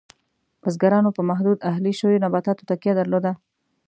بزګرانو په محدودو اهلي شویو نباتاتو تکیه درلود.